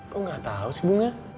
kok gak tau sih bunga